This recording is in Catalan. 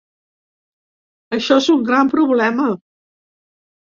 Això és un gran problema.